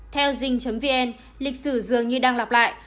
theo zing vn lịch sử dường như đang lọc lại